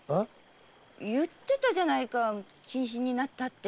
言ってたじゃないか謹慎になったって。